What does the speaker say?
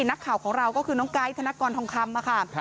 นักข่าวของเราก็คือน้องไกด์ธนกรทองคำค่ะ